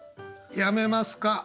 やめますか？